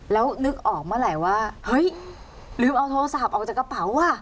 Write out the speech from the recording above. แล้วนึกออกเมื่อไหร่ว่าเฮ้ยลืมเอาโทรศัพท์ออกจากกระเป๋าว่ะ